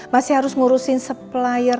masih harus ngurusin supplier